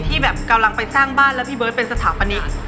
ที่แบบกำลังไปสร้างบ้านแล้วพี่เบิร์ตเป็นสถาปนิก